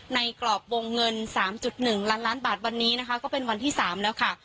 กรอบวงเงิน๓๑ล้านล้านบาทวันนี้นะคะก็เป็นวันที่๓แล้วค่ะ